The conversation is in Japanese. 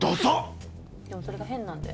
でもそれが変なんだよ。